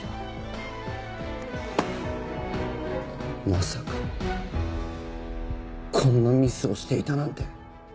まさかこんなミスをしていたなんて！